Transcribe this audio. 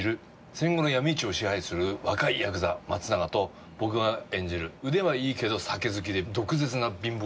戦後の闇市を支配する若いヤクザ松永と僕が演じる腕はいいけど酒好きで毒舌な貧乏